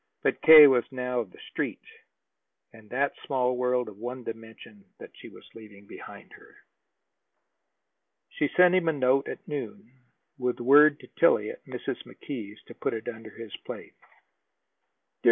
But K. was now of the Street, of that small world of one dimension that she was leaving behind her. She sent him a note at noon, with word to Tillie at Mrs. McKee's to put it under his plate: DEAR MR.